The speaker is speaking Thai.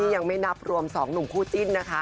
ยังไม่นับรวม๒หนุ่มคู่จิ้นนะคะ